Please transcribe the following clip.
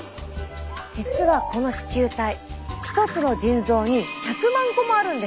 実はこの糸球体１つの腎臓に１００万個もあるんです！